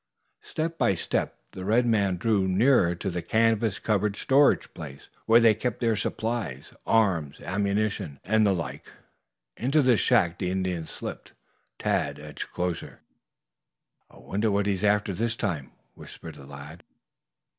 Step by step the red man drew near to the canvas covered storage place, where they kept their supplies, arms, ammunition and the like. Into this shack the Indian slipped. Tad edged closer. "I wonder what he's after this time?" whispered the lad.